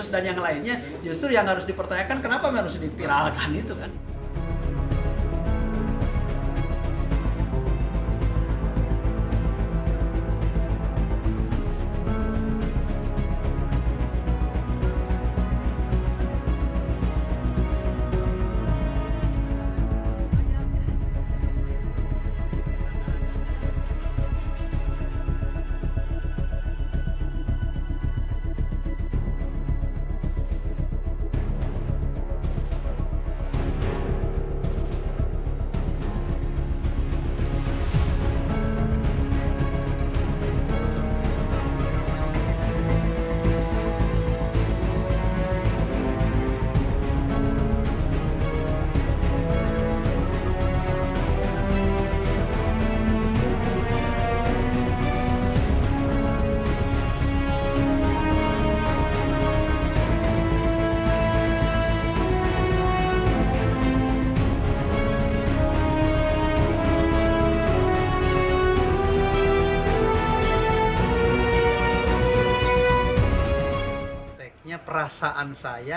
dan yang lainnya justru yang harus dipertanyakan kenapa harus dipiralkan itu kan